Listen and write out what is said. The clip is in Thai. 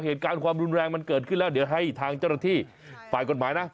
เหตุการณ์ความรุนแรงมันเกิดขึ้นแล้วเดี๋ยวให้ทางเจ้าหน้าที่ฝ่ายกฎหมายนะ